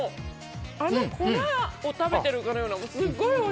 あの粉を食べてるかのような。